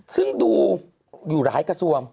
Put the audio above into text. ซึ่งดูอยู่หลายกระทรวง